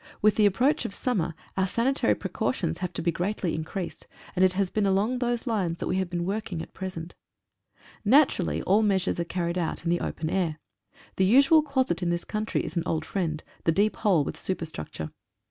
With the approach of summer our sanitary precau tions have to be greatly increased and it has been along those lines that we have been working at present Naturally all measures are carried out in the open air. The usual closet in this country is an old friend — the deep hole with superstructure.